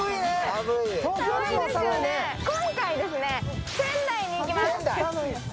今回は仙台に行きます。